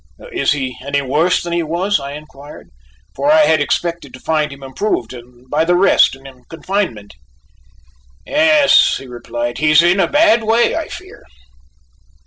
"Is he any worse than he was?" I inquired; "for I had expected to find him improved by his rest and confinement." "Yes," he replied; "he is in a bad way, I fear."